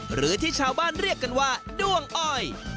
หรือที่ชาวบ้านเรียกกันว่าด้วงอ้อย